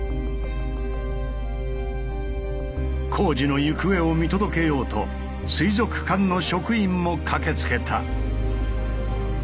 工事の行方を見届けようと水族館の職員も駆けつけた。